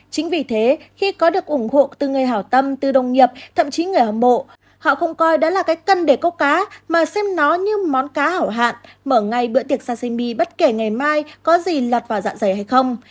chính vì thế khi có được ủng hộ từ người hảo tâm từ đồng nghiệp thậm chí người hâm mộ họ không coi đó là cái cân để câu cá mà xem nó như món cá hảo hạn mở ngay bữa tiệc saxymy bất kể ngày mai có gì lọt vào dạng dày hay không